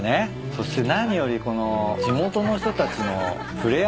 そして何よりこの地元の人たちの触れ合い